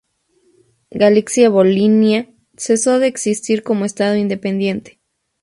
Galitzia–Volynia cesó de existir como Estado independiente.